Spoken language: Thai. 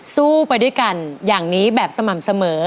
สู้ไปด้วยกันอย่างนี้แบบสม่ำเสมอ